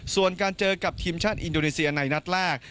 ส่วนการเจอกับทีมชาติอินโดนีเซียในนัดแรก